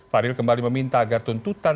fadil kembali meminta agar tuntutan